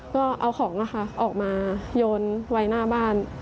ก็เอาของออกมาโยนไว้หน้าบ้าน